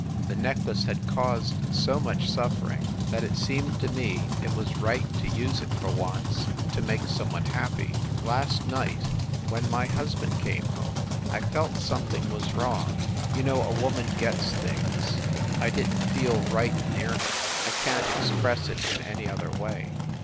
The necklace had caused so much suffering that it seemed to me it was right to use it, for once, to make some one happy. Last night, when my husband came home, I felt something was wrong. You know a woman gets things I didn t feel "right" near him I can t ex press it in any other way.